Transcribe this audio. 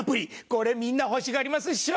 これみんな欲しがります師匠！